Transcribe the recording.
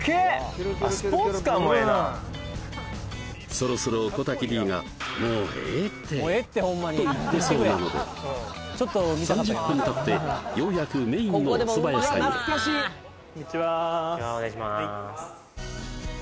そろそろ小瀧Ｄがと言ってそうなので３０分たってようやくメインのおそば屋さんへこんにちはこんにちはお願いします